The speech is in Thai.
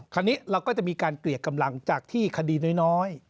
คราวนี้เราก็จะมีการเกลียดกำลังจากที่คดีน้อย